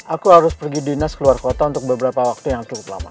aku harus pergi dinas keluar kota untuk beberapa waktu yang cukup lama